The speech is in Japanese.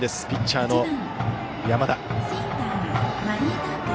ピッチャーの山田。